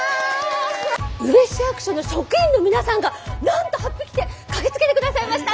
宇部市役所の職員の皆さんがなんとはっぴ着て駆けつけてくださいました。